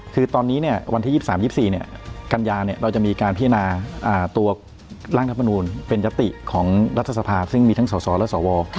คือตอนนี้เนี่ยวันที่๒๓๒๔เนี่ยกัญญาเนี่ยเราจะมีการพินาตัวร่างดับมนุนเป็นยติของรัฐสภาพซึ่งมีทั้งส่อและส่อว